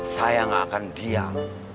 saya nggak akan diam